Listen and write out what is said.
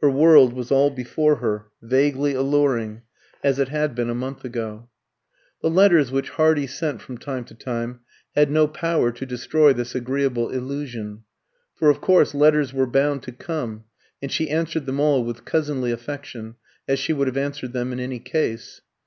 Her world was all before her, vaguely alluring, as it had been a month ago. The letters which Hardy sent from time to time had no power to destroy this agreeable illusion; for of course letters were bound to come, and she answered them all with cousinly affection, as she would have answered them in any case.